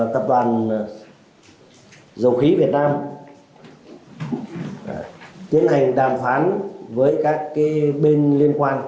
tập đoàn dầu khí việt nam tiến hành đàm phán với các bên liên quan